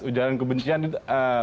ujaran kebencian itu